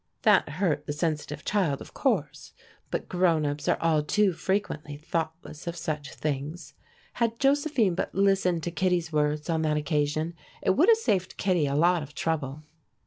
That hurt the sensitive child, of course, but grown ups are all too frequently thoughtless of such things. Had Josephine but listened to Kittie's words on that occasion, it would have saved Kittie a lot of trouble.